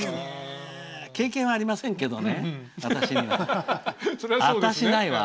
経験はありませんけどね。